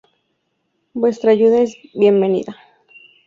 Vuestra ayuda es bienvenida!